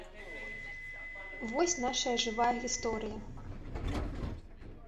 Вось нашая жывая гісторыя!